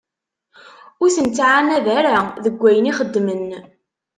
Ur ten-ttɛannad ara deg wayen i xeddmen.